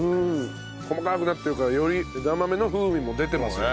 細かくなってるからより枝豆の風味も出てますもんね。